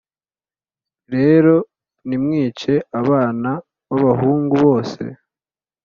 rero nimwice abana b abahungu bose